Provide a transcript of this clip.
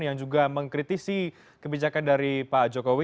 yang juga mengkritisi kebijakan dari pak jokowi